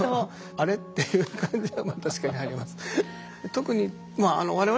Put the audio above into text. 「あれ？」っていう感じは確かにあります。